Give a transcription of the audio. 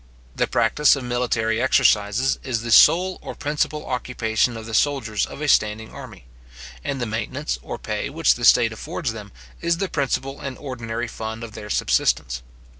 The practice of military exercises is the sole or principal occupation of the soldiers of a standing army, and the maintenance or pay which the state affords them is the principal and ordinary fund of their subsistence.